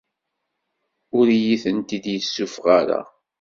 Ur iyi-tent-id yessuffeɣ ara.